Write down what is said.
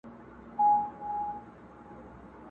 o چي زما او ستا بايده دي، ليري او نژدې څه دي٫